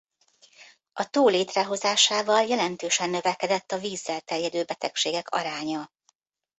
A tó létrehozásával jelentősen növekedett a vízzel terjedő betegségek aránya.